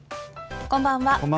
こんばんは。